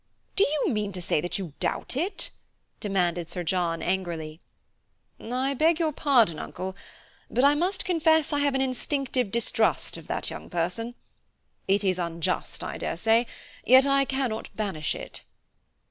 "Do you mean to say that you doubt it?" demanded Sir John angrily. "I beg your pardon, Uncle, but I must confess I have an instinctive distrust of that young person. It is unjust, I dare say, yet I cannot banish it."